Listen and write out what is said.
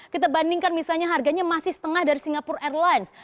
kita bandingkan misalnya harganya masih setengah dari singapura airlines